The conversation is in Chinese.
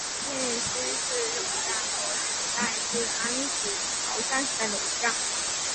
小笠原信兴是日本战国时代至安土桃山时代的武将。